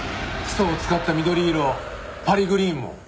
ヒ素を使った緑色パリグリーンも。